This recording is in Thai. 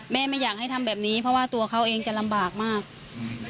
ไม่อยากให้ทำแบบนี้เพราะว่าตัวเขาเองจะลำบากมากอืม